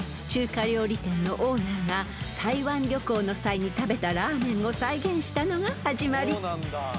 ［中華料理店のオーナーが台湾旅行の際に食べたラーメンを再現したのが始まり］